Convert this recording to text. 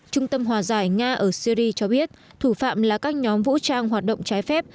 trung tâm hòa giải nga ở syri cho biết thủ phạm là các nhóm vũ trang hoạt động trái phép